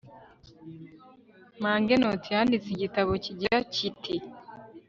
mangenot yanditse igitabo kigira kiti